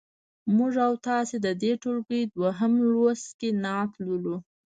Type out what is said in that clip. موږ او تاسو د دې ټولګي دویم لوست کې نعت لولو.